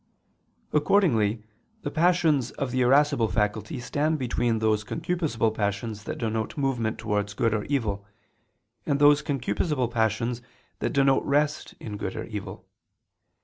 Accordingly the passions of the irascible faculty stand between those concupiscible passions that denote movement towards good or evil, and those concupiscible passions that denote rest in good or evil.